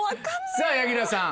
さぁ柳楽さん。